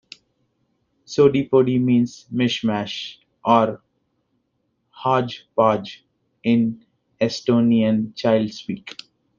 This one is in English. Sodipodi means "mish mash" or "hodgepodge" in Estonian child-speak.